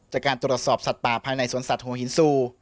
จากการตรวจสอบสัตว์ป่าภายในสวนสัตว์หัวหินซู